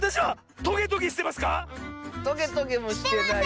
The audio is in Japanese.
トゲトゲもしてないとおもう。